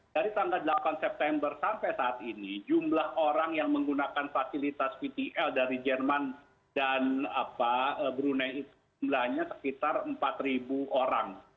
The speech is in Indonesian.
dari tanggal delapan september sampai saat ini jumlah orang yang menggunakan fasilitas vtl dari jerman dan brunei itu jumlahnya sekitar empat orang